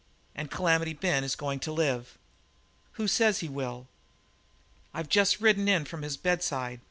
And Calamity Ben is going to live." "Who says he will?" "I've just ridden in from his bedside.